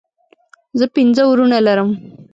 زه پنځه وروڼه لرم